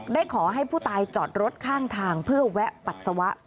ได้ขอให้ผู้ตายจอดรถข้างทางเพื่อแวะปัสสาวะ